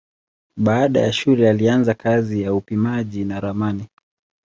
Baada ya shule alianza kazi ya upimaji na ramani.